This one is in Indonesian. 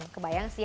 kebayang sih ya